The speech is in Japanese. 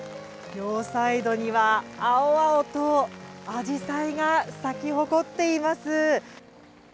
両サイドには青々とあじさいが咲き誇っています。